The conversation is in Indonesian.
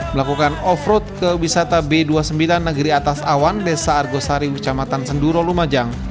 melakukan off road ke wisata b dua puluh sembilan negeri atas awan desa argosari kecamatan senduro lumajang